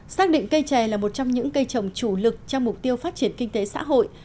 xác định cây chè là một trong những cây trồng chủ lực trong mục tiêu phát triển kinh tế xã hội